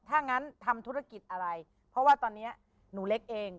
ถ้างั้นทำธุรกิจอะไรเพราะว่าตอนนี้หนูเล็กเอง